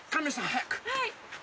早く。